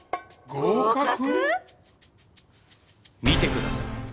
見てください。